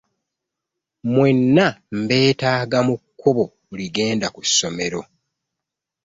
Mwenna mbeetaaga mu kkubo ligenda ku ssomero.